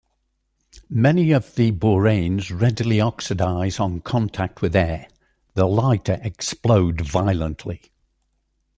Many of the boranes readily oxidise on contact with air, the lighter explode violently.